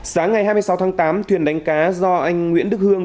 sáng ngày hai mươi sáu tháng tám thuyền đánh cá do anh nguyễn đức hương